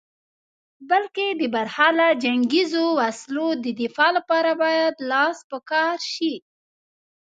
بلکې د برحاله جنګیزو وسلو د دفاع لپاره باید لاس په کار شې.